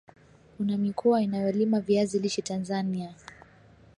Kuna mikoa inayolima viazi lishe Tanzania